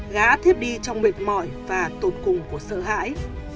gã thiết đi trong mệt mỏi và tụt cùng của sợ hãi